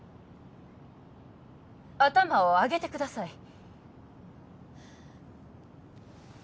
頭を上げてください